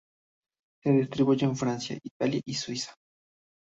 Se distribuye en Francia, Italia y Suiza.